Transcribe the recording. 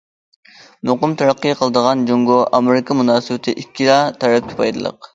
مۇقىم تەرەققىي قىلىدىغان جۇڭگو- ئامېرىكا مۇناسىۋىتى ئىككىلا تەرەپكە پايدىلىق.